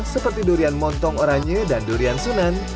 seperti durian montong oranye dan durian sunan